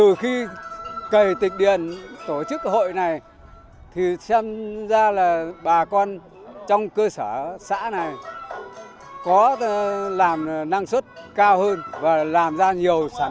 từ khi kể tịch điền tổ chức hội này thì xem ra là bà con trong cơ sở xã này có làm năng suất cao hơn